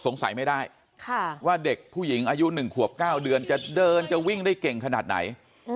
ไม่ได้ว่าเด็กผู้หญิงอายุ๑ขวบ๙เดือนจะเดินจะวิ่งได้เก่งขนาดไหน